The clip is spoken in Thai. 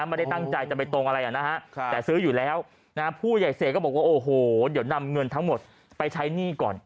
ไม่ได้ตั้งใจจะไปตรงอะไรนะฮะแต่ซื้ออยู่แล้วผู้ใหญ่เสกก็บอกว่าโอ้โหเดี๋ยวนำเงินทั้งหมดไปใช้หนี้ก่อน